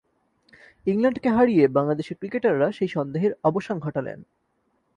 ইংল্যান্ডকে হারিয়ে বাংলাদেশের ক্রিকেটাররা সেই সন্দেহের অবসান ঘটালেন।